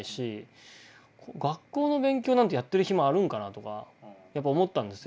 学校の勉強なんてやってる暇あるんかなとか思ったんですよ。